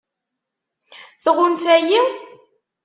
Tɣunfa-yi?